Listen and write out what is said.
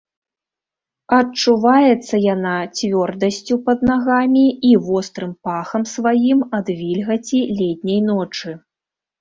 Адчуваецца яна цвёрдасцю пад нагамі і вострым пахам сваім ад вільгаці летняй ночы.